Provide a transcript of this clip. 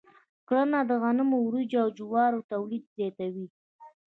کرنه د غنمو، وريجو، او جوارو تولید زیاتوي.